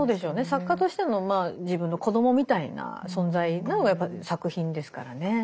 作家としてのまあ自分の子どもみたいな存在なのがやっぱり作品ですからね。